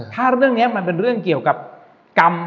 ถ้าเรื่องนี้มันเป็นเรื่องเกี่ยวกับกรรม